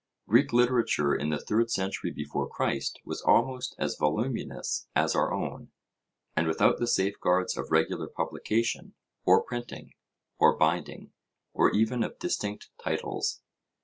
Greek literature in the third century before Christ was almost as voluminous as our own, and without the safeguards of regular publication, or printing, or binding, or even of distinct titles.